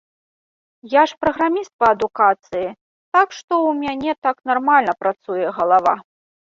Я ж праграміст па адукацыі, так што ў мяне так нармальна працуе галава.